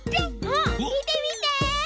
あっみてみて！